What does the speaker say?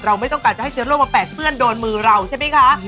เราไม่ต้องการจะให้เชียร์โลกมาแปะเพื่อนโดนมือเราใช่มั้ยคะ